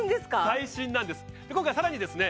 最新なんです今回さらにですね